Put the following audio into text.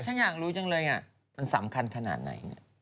ฉันอยากรู้จังเลยมันสำคัญขนาดไหน